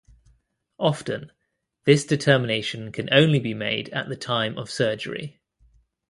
Often, this determination can only be made at the time of surgery.